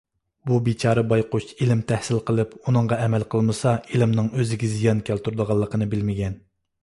بۇ بىچارە بايقۇش ئىلىم تەھسىل قىلىپ ئۇنىڭغا ئەمەل قىلمىسا ئىلىمنىڭ ئۆزىگە زىيان كەلتۈرىدىغانلىقىنى بىلمىگەن.